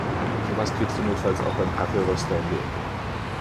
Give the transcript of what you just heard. Sowas kriegst du notfalls auch beim Kaffeeröster um die Ecke.